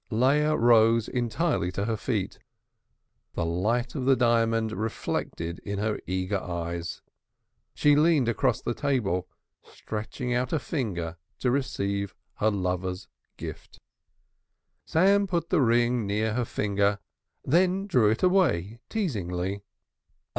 Leah rose entirely to her feet, the light of the diamond reflected in her eager eyes. She leant across the table, stretching out a finger to receive her lover's gift. Sam put the ring near her finger, then drew it away teasingly.